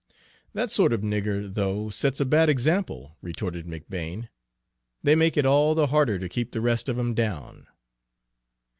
"That sort of nigger, though, sets a bad example," retorted McBane. "They make it all the harder to keep the rest of 'em down."